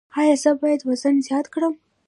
ایا زه باید وزن زیات کړم؟